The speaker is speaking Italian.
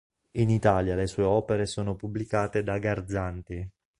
In Italia le sue opere sono pubblicate da Garzanti.